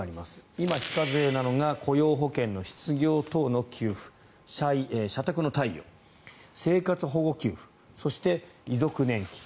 今、非課税なのは雇用保険の失業等の給付社宅の貸与、生活保護給付そして、遺族年金。